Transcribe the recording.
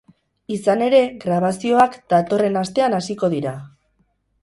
Izan ere, grabazioak datorren astean hasiko dira.